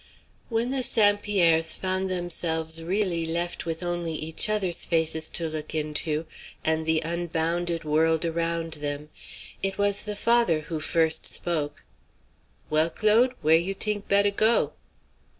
When the St. Pierres found themselves really left with only each other's faces to look into, and the unbounded world around them, it was the father who first spoke: "Well, Claude, where you t'ink 'better go?"